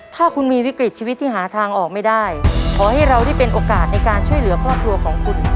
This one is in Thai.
ถ้าคุณมีวิกฤตชีวิตที่หาทางออกไม่ได้ขอให้เราได้เป็นโอกาสในการช่วยเหลือครอบครัวของคุณ